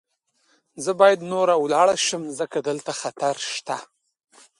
زه باید نوره ولاړه شم، ځکه دلته خطر شته.